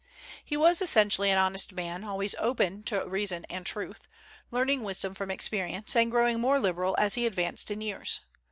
He was essentially an honest man, always open to reason and truth, learning wisdom from experience, and growing more liberal as he advanced in years.